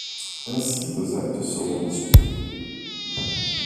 Ainsi, vos actes seront discutés.